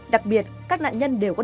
đặc biệt các nạn nhân đều có